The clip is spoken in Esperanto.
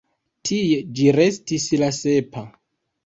Tie ĝi restis la sepa.